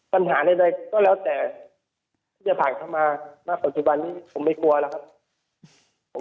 ปัญหาใดก็แล้วแต่จะผ่านข้อมามากกว่าจุดวันนี้ผมไม่หัวหรอกครับ